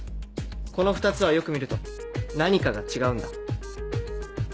この２つはよく見ると何かが違うんだ。